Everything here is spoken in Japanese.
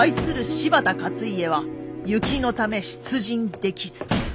柴田勝家は雪のため出陣できず。